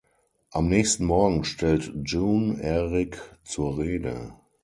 Am nächsten Morgen stellt June Eric zur Rede.